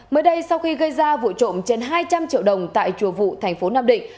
mới đây sau khi gây ra vụ trộm trên hai trăm linh triệu đồng tại chùa vụ thành phố nam định